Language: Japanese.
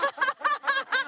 アハハハ！